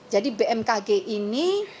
jadi bmkg ini